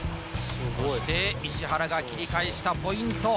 そして石原が切り返したポイント